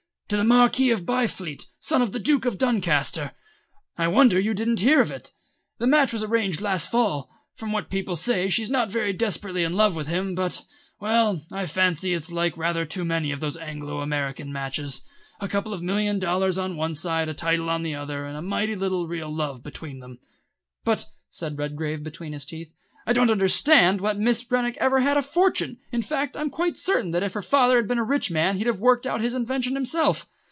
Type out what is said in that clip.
"To the Marquis of Byfleet, son of the Duke of Duncaster. I wonder you didn't hear of it. The match was arranged last fall. From what people say she's not very desperately in love with him, but well, I fancy it's like rather too many of these Anglo American matches. A couple of million dollars on one side, a title on the other, and mighty little real love between them." "But," said Redgrave between his teeth, "I didn't understand that Miss Rennick ever had a fortune; in fact I'm quite certain that if her father had been a rich man he'd have worked out his invention himself."